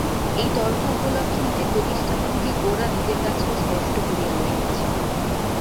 এই তর্ক উপলক্ষে নিজের প্রতিষ্ঠাভূমিকে গোরা নিজের কাছেও স্পষ্ট করিয়া লইতেছিল।